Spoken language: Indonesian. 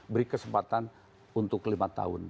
beri kesempatan untuk lima tahun